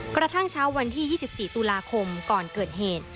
กระทั่งเช้าวันที่๒๔ตุลาคมก่อนเกิดเหตุ